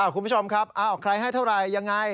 คุณผู้ชมครับใครให้เท่าไหร่ยังไง